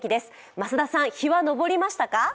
増田さん、日は昇りましたか？